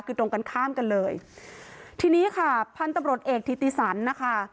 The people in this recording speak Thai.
คือตรงกันข้ามกันเลยทีนี้ค่ะพันธุ์ตำรวจเอกธิติสันนะคะ